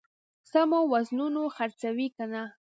سمو وزنونو خرڅوي کنه.